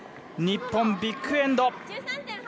日本ビッグ・エンド。